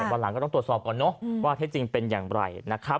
วันหลังก็ต้องตรวจสอบก่อนว่าเท่าจริงเป็นอย่างไร